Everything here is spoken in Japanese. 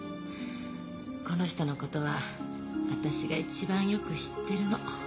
この人のことは私がいちばんよく知ってるの。